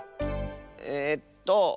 えっと